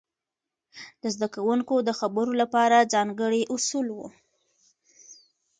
د زده کوونکو د خبرو لپاره ځانګړي اصول وو.